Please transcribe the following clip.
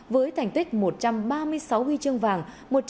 với thành tích một trăm ba mươi sáu huy chương vàng